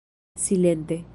Silente!